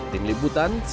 tim libutan cnn indonesia